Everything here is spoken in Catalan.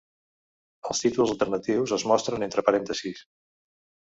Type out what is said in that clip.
Els títols alternatius es mostren entre parèntesis.